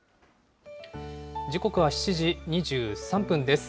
時刻は７時２３分です。